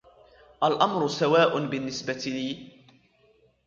الأمر سواءٌ بالنسبةِ لي.